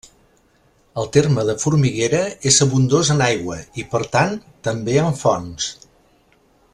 El terme de Formiguera és abundós en aigua i, per tant, també en fonts.